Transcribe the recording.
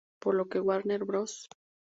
Por lo que Warner Bros.